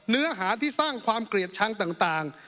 เนื้อหาที่สร้างความเกลียดชังต่าง